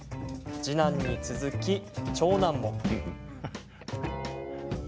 次男に続き長男も。